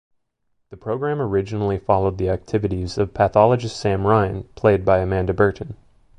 The programme originally followed the activities of pathologist Sam Ryan, played by Amanda Burton.